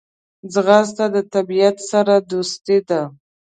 ځغاسته د طبیعت سره دوستي ده